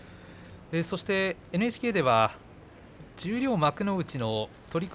ＮＨＫでは十両幕内の取組